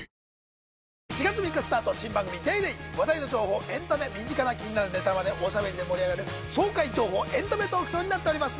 ４月３日スタート新番組『ＤａｙＤａｙ．』話題の情報エンタメ身近な気になるネタまでおしゃべりで盛り上がる爽快・情報エンタメトークショーになっております。